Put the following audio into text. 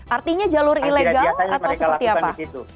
artinya jalur ilegal atau seperti apa